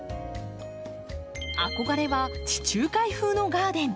憧れは地中海風のガーデン。